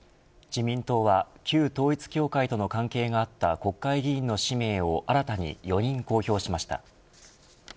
自民党は旧統一教会との関係があった国会議員の氏名を新たに４人公表しました。